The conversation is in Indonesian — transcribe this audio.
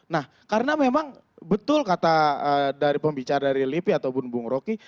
nah karena memang betul kata dari pembicara dari lipi atau bun bung roki